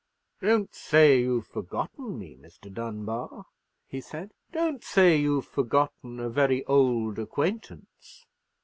"Don't say you've forgotten me, Mr. Dunbar," he said; "don't say you've forgotten a very old acquaintance."